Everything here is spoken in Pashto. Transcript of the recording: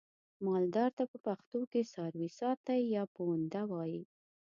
مالدار ته په پښتو کې څارويساتی یا پوونده وایي.